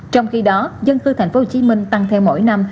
trong khi đó dân cư tp hcm tăng theo mỗi năm